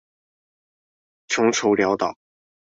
窮愁潦倒